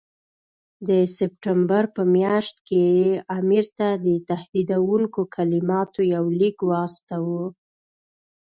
د سپټمبر په میاشت کې یې امیر ته د تهدیدوونکو کلماتو یو لیک واستاوه.